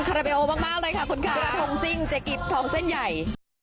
คาราเบโอมากมากเลยค่ะคุณค่ะกระทงซิ่งเจกิบทองเส้นใหญ่